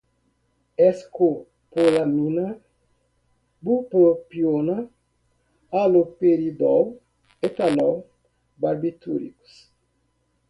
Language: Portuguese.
escopolamina, bupropiona, haloperidol, etanol, barbitúricos